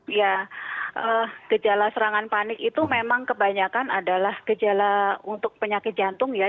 iya gejala serangan panik itu memang kebanyakan adalah gejala untuk penyakit jantung ya